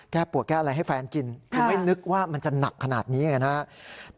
ปวดแก้อะไรให้แฟนกินคือไม่นึกว่ามันจะหนักขนาดนี้ไงนะครับ